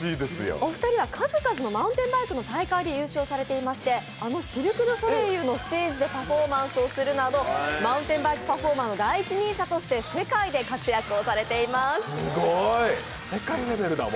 お二人は数々のマウンテンバイクの試合で活躍されていましてあのシルク・ドゥ・ソレイユのステージでパフォーマンスするなどマウンテンバイクパフォーマーの第一人者として世界で活躍されています。